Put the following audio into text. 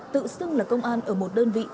tự xưng là công an ở một đơn vị